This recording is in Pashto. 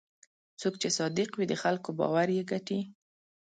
څوک چې صادق وي، د خلکو باور یې ګټي.